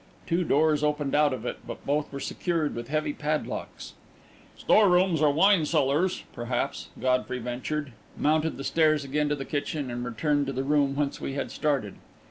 Two doors opened out of it, but both were secured with heavy padlocks. "Store rooms or wine cellars, perhaps," Godfrey ventured, mounted the stairs again to the kitchen, and returned to the room whence we had started.